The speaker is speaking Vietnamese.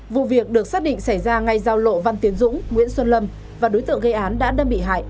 vụ việc được xác định xảy ra ngay giao lộ văn tiến dũng nguyễn xuân lâm và đối tượng gây án đã đâm bị hại